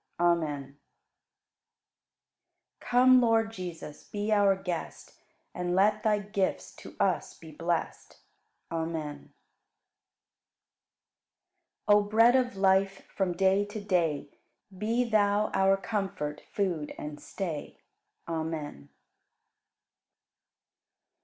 Amen. 40. Come, Lord Jesus, be our Guest And let Thy gifts to us be blest. Amen. 41. O Bread of Life, from day to day Be Thou our Comfort, Food, and Stay. Amen.